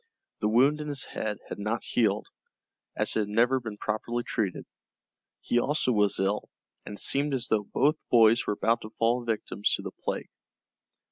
The wound in his head had not healed, as it had never been properly treated. He also was ill, and it seemed as though both boys were about to fall victims to the plague.